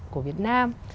của việt nam